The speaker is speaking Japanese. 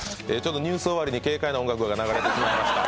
ニュース終わりに軽快な音楽が流れてしまいました。